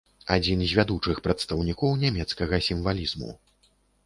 Адзін з вядучых прадстаўнікоў нямецкага сімвалізму.